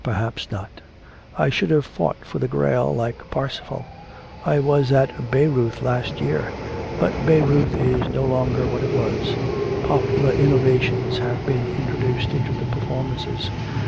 'Perhaps not; I should have fought for the Grail, like Parsifal. I was at Bayreuth last year. But Bayreuth is no longer what it was. Popular innovations have been introduced into the performances.